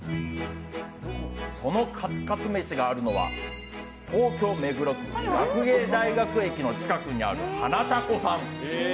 そのカツカツ飯があるのは東京・目黒区学芸大学駅の近くにある花たこさん。